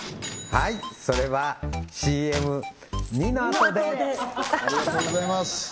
はいそれはＣＭ②のあとで！